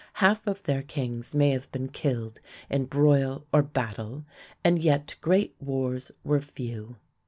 Half of their kings may have been killed in broil or battle, and yet great wars were few.